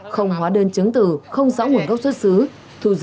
không hóa đơn chứng từ không rõ nguồn gốc xuất xứ